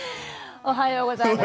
おはようございます。